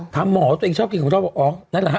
ถามหมอว่าตัวเองชอบกินของคุณหมอบอกอ๋อนั่นแหละฮะ